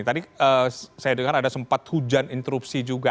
tadi saya dengar ada sempat hujan interupsi juga